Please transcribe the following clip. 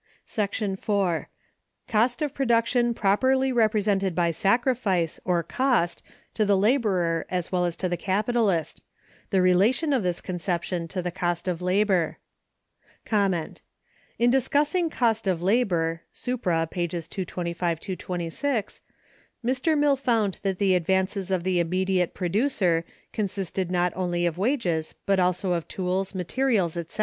§ 4. Cost of Production properly represented by sacrifice, or cost, to the Laborer as well as to the Capitalist; the relation of this conception to the Cost of Labor. In discussing Cost of Labor (supra, pp. 225, 226), Mr. Mill found that the advances of the immediate producer consisted not only of wages, but also of tools, materials, etc.